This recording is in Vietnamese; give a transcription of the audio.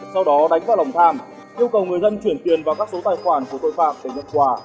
sau đó đánh vào lòng tham yêu cầu người dân chuyển tiền vào các số tài khoản của tội phạm để nhận quà